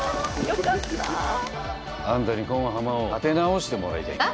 あんたにこん浜を立て直してもらいたいんよ。